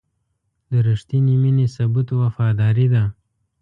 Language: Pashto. د رښتینې مینې ثبوت وفاداري ده.